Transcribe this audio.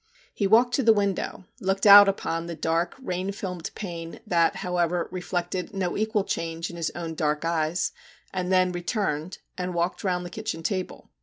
He walked to the window, looked out upon the dark rain filmed pane that, however, reflected no equal change in his own dark eyes, and then returned and walked round the kitchen table.